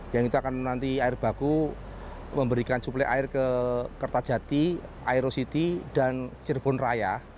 yang itu akan menanti air baku memberikan suplai air ke kertajati aero city dan cirebon raya